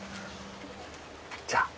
じゃあ。